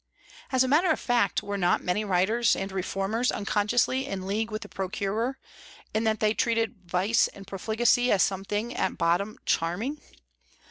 As a matter of fact were not many writers and reformers unconsciously in league with the procurer, in that they treated vice and profligacy as something, at bottom, charming?